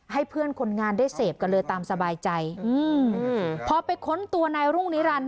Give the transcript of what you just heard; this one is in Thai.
ให้เพื่อนคนงานได้เสพกันเลยตามสบายใจอืมพอไปค้นตัวนายรุ่งนิรันดิ